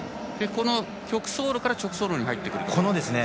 曲走路から直走路に入ってくるときと。